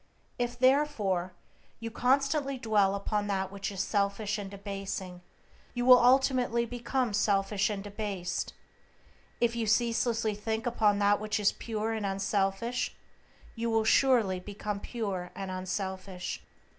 If, therefore, you constantly dwell upon that which is selfish and debasing, you will ultimately become selfish and debased; if you ceaselessly think upon that which is pure and unselfish you will surely become pure and unselfish.